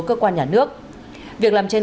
cơ quan nhà nước việc làm trên